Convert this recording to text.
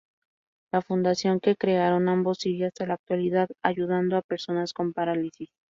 La fundación que crearon ambos sigue hasta la actualidad ayudando a personas con parálisis.